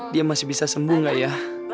dia masih bisa sembuh gak ya